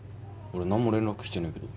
俺何も連絡来てねえけど。